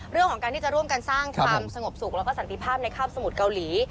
เรื่องของการที่จะร่วมกันสร้างความสงบสุขแล้วก็สันติภาพในคาบสมุทรเกาหลี